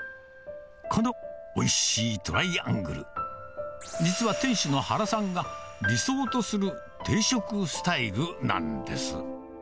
このおいしいトライアングル、実は店主の原さんが、理想とする定食スタイルなんです。